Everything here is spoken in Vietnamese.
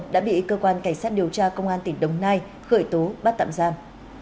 đã bị cơ quan cảnh sát điều tra công an tỉnh đồng nai khởi tố bắt tạm giam